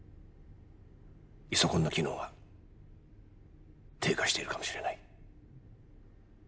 イソコンの機能が低下しているかもしれない。